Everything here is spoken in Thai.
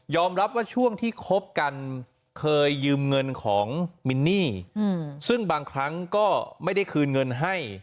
รับว่าช่วงที่คบกันเคยยืมเงินของมินนี่ซึ่งบางครั้งก็ไม่ได้คืนเงินให้